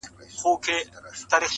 د ميني شر نه دى چي څـوك يـې پــټ كړي,